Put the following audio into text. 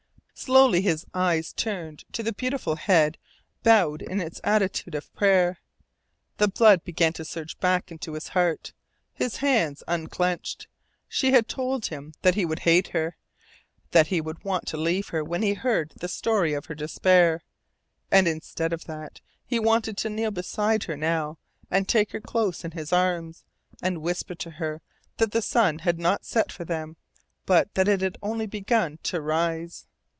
Slowly his eyes turned to the beautiful head bowed in its attitude of prayer. The blood began to surge back into his heart. His hands unclenched. She had told him that he would hate her, that he would want to leave her when he heard the story of her despair. And instead of that he wanted to kneel beside her now and take her close in his arms, and whisper to her that the sun had not set for them, but that it had only begun to rise.